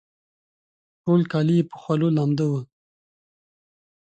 ټول کالي یې په خولو لانده وه